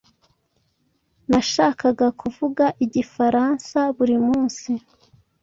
Nashakaga kuvuga igifaransa buri munsi.